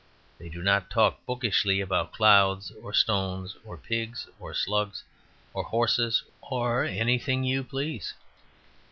They do not talk bookishly about clouds or stones, or pigs or slugs, or horses or anything you please.